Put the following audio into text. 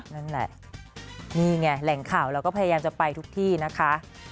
นั่นแหละนี่ไงแหล่งข่าวเราก็พยายามจะไปทุกที่นะคะ